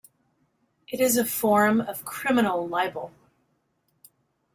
It is a form of criminal libel.